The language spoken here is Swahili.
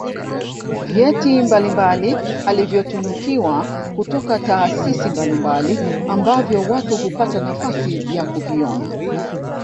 vyeti mbalimbali alivyotunikiwa kutoka taasisi mbalimbali ambavyo watu hupata nafasi ya kuviona